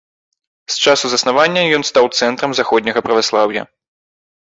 З часу заснавання ён стаў цэнтрам заходняга праваслаўя.